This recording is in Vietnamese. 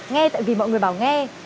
nghe tại vì mọi người bảo nghe